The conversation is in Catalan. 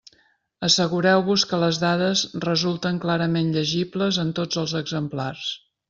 Assegureu-vos que les dades resulten clarament llegibles en tots els exemplars.